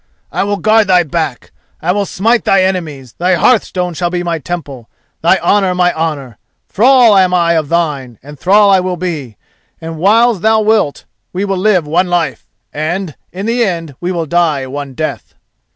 I will guard thy back, I will smite thy enemies, thy hearthstone shall be my temple, thy honour my honour. Thrall am I of thine, and thrall I will be, and whiles thou wilt we will live one life, and, in the end, we will die one death."